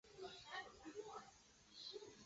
湖广乡试第四十三名。